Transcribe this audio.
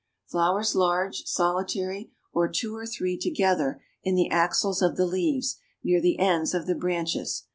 Flowers large, solitary, or two or three together in the axils of the leaves, near the ends of the branchlets.